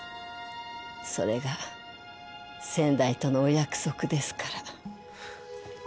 それが先代とのお約束ですから。